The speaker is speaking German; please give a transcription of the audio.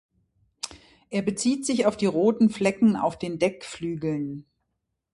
Er bezieht sich auf die roten Flecken auf den Deckflügeln.